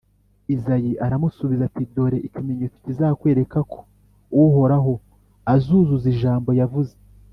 Izayi aramusubiza ati «Dore ikimenyetso kizakwereka ko Uhoraho azuzuza Ijambo yavuze.